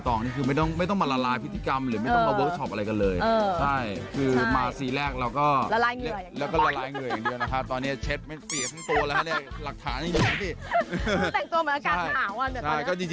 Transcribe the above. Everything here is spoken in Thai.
ก็จะมีอีกหลายช่างที่เข้าด้วยกันอีก